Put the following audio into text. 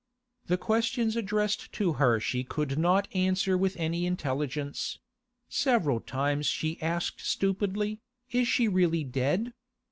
The questions addressed to her she could not answer with any intelligence; several times she asked stupidly, 'Is she really dead?